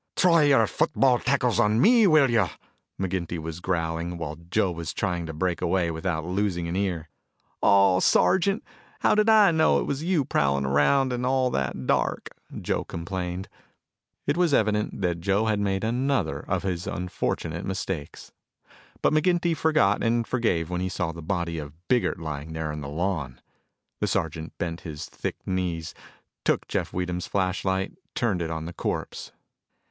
"Try your football tackles on me, will you!" McGinty was growling, while Joe was trying to break away without losing an ear. "Aw, Sergeant, how did I know it was you prowling around in all that dark?" Joe complained. It was evident that Joe had made another of his unfortunate mistakes. But McGinty forgot and forgave when he saw the body of Biggert lying there on the lawn. The sergeant bent his thick knees, took Jeff Weedham's flashlight, turned it on the corpse.